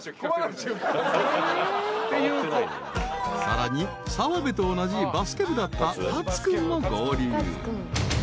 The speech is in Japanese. ［さらに澤部と同じバスケ部だった達君も合流］